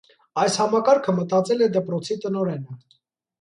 Այս համակարգը մտածել է դպրոցի տնօրենը։